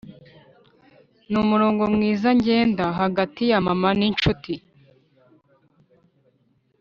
numurongo mwiza ngenda hagati ya mama ninshuti.